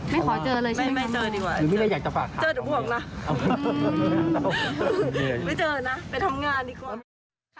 ไม่เจอค่ะ